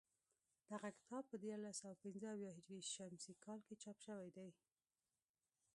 دغه کتاب په دیارلس سوه پنځه اویا هجري شمسي کال کې چاپ شوی دی